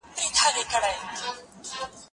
کېدای سي موسيقي خراب وي؟